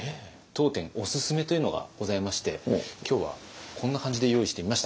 当店おすすめというのがございまして今日はこんな感じで用意してみました。